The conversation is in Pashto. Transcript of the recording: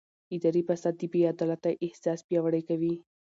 اداري فساد د بې عدالتۍ احساس پیاوړی کوي